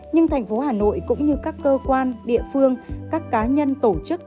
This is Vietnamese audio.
nhưng thành phố hà nội cũng như các cơ quan địa phương các cá nhân tổ chức